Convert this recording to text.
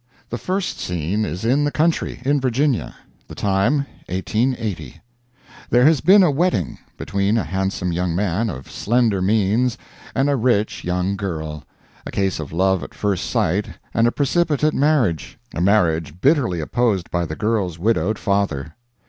I The first scene is in the country, in Virginia; the time, 1880. There has been a wedding, between a handsome young man of slender means and a rich young girl a case of love at first sight and a precipitate marriage; a marriage bitterly opposed by the girl's widowed father.